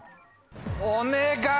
お願い！